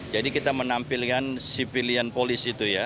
jadi kita menampilkan sipilian polis itu ya